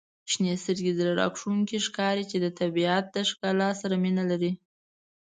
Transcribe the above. • شنې سترګي زړه راښکونکي ښکاري چې د طبیعت د ښکلا سره مینه لري.